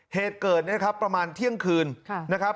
เหตุเกิดเนี่ยครับประมาณเที่ยงคืนนะครับ